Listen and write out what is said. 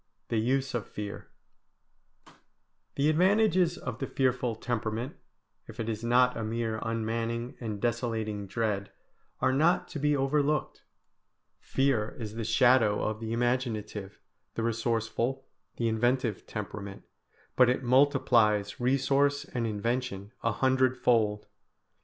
V THE USE OF FEAR The advantages of the fearful temperament, if it is not a mere unmanning and desolating dread, are not to be overlooked. Fear is the shadow of the imaginative, the resourceful, the inventive temperament, but it multiplies resource and invention a hundredfold.